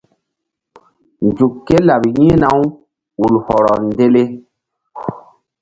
Nzuk ké laɓ yi̧hna-u ul hɔrɔ ndele.